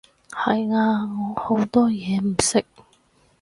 係啊，我好多嘢唔識